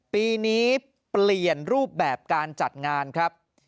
ปีนี้เปลี่ยนรูปแบบการจัดงานครับ